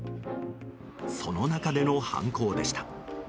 その中での犯行でした。